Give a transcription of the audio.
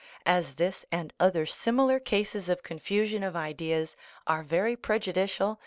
As this and other similar cases of confu sion of ideas are very prejudicial